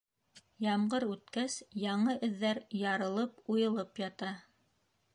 Ямғыр үткәс, яңы эҙҙәр ярылып- уйылып ята.